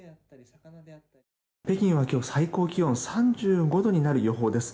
北京は今日最高気温３５度になる予報です。